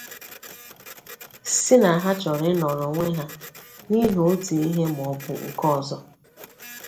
sị na ọ chọrọ ịnọrọ onwe ha n'ihi otu ihe maọbụ nke ọzọ